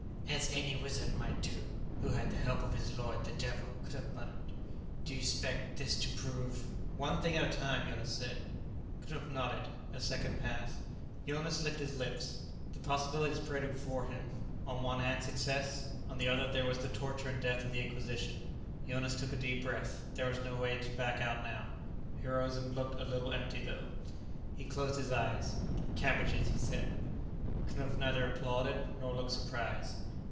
"As any wizard might do, who had the help of his lord the Devil," Knupf muttered. "Do you expect this to prove " "One thing at a time," Jonas said. Knupf nodded. A second passed. Jonas licked his lips. The possibilities paraded before him; on one hand, success. On the other there was the torture and death of the Inquisition. Jonas took a deep breath; there was no way to back out now. Heroism looked a little empty, though. He closed his eyes. "Cabbages," he said. Knupf neither applauded, nor looked surprised.